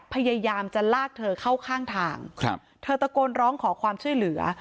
พยายามจะลากเธอเข้าข้างทางครับเธอตะโกนร้องขอความช่วยเหลือ